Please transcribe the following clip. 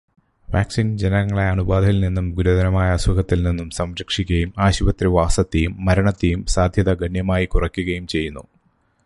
വാക്സിന് ജനങ്ങളെ അണുബാധയില് നിന്നും ഗുരുതരമായ അസുഖത്തില് നിന്നും സംരക്ഷിക്കുകയും ആശുപത്രിവാസത്തിയും മരണത്തിയും സാധ്യത ഗണ്യമായി കുറയ്ക്കുകയും ചെയ്യുന്നു.